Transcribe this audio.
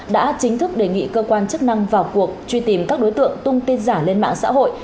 đã chính thức đề nghị cơ quan chức năng vào cuộc truy tìm các đối tượng tung tin giả lên mạng xã hội